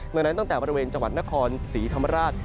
ดังนั้นตั้งแต่บริเวณจังหวัดนครศรีธรรมราช